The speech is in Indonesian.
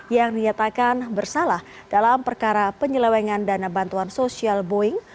yang dinyatakan bersalah dalam perkara penyelewengan dana bantuan sosial boeing